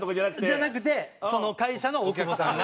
じゃなくてその会社の大久保さんが。